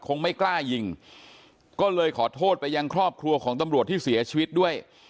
คงไม่กล้ายิงก็เลยขอโทษไปยังครอบครัวของตำรวจที่เสียชีวิตด้วย